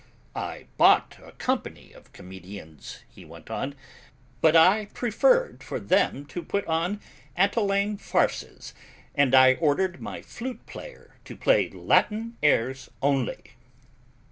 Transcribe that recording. "I bought a company of comedians," he went on, "but I preferred for them to put on Atellane farces, and I ordered my flute player to play Latin airs only."